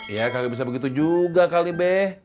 ya kali bisa begitu juga kali be